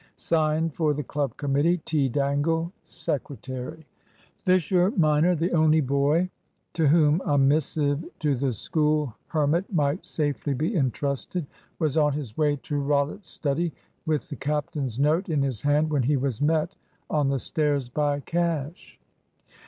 "Signed for the Club Committee, "T. Dangle, Sec." Fisher minor, the only boy to whom a missive to the School hermit might safely be entrusted, was on his way to Rollitt's study with the captain's note in his hand, when he was met on the stairs by Cash.